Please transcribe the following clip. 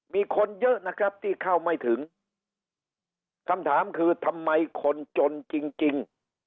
มีคนเยอะนะครับที่เข้าไม่ถึงคำถามคือทำไมคนจนจริงจริง